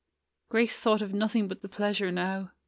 Grace thought of nothing but the pleasure now.